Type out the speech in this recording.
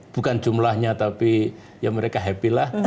bukan jumlahnya tapi ya mereka happy lah